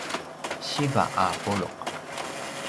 siva a puluq